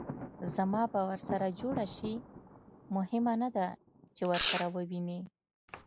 زما به ورسره جوړه شي؟ مهمه نه ده چې ورسره ووینې.